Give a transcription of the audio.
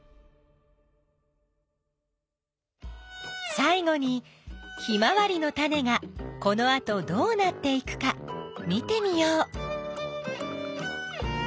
さい後にヒマワリのタネがこのあとどうなっていくか見てみよう。